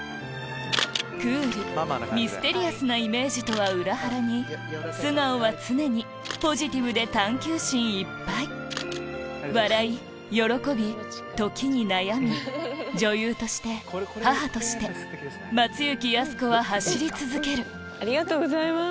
クールミステリアスなイメージとは裏腹に素顔は常にポジティブで探究心いっぱい笑い喜び時に悩み女優として母として松雪泰子は走り続けるありがとうございます。